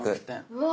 うわ！